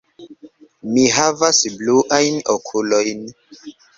Mi havas bluajn okulojn.